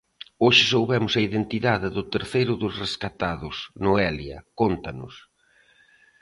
Hoxe soubemos a identidade do terceiro dos rescatados, Noelia, cóntanos...